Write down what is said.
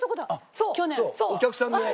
そうお客さんで。